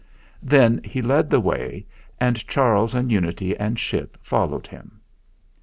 Then he led the way, and Charles and Unity and Ship followed him.